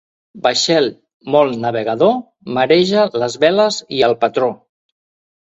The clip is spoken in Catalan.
Vaixell molt navegador mareja les veles i el patró.